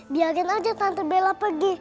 biarkan aja tante bella pergi